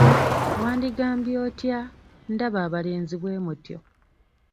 Wandigambye otya? Ndaba abalenzi bwe mutyo!